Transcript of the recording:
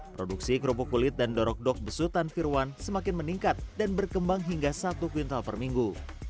produksi kerupuk kulit dan dorok dok besutan firwan semakin meningkat dan berkembang hingga satu kuintal per minggu